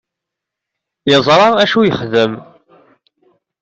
Yeẓṛa dacu i ixeddem.